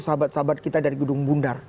sahabat sahabat kita dari gedung bundar